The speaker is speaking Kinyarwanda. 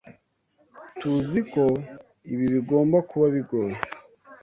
Tuziko ibi bigomba kuba bigoye.